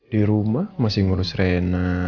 di rumah masih ngurus rena